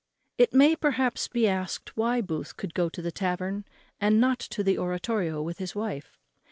It may perhaps be asked why Booth could go to the tavern, and not to the oratorio with his wife?